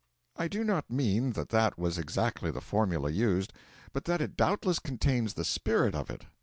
I do not mean that that was exactly the formula used, but that it doubtless contains the spirit of it.